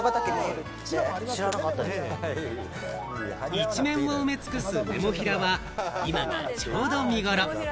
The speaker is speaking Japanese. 一面を埋め尽くすネモフィラは今がちょうど見頃。